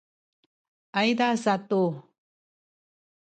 ayza satu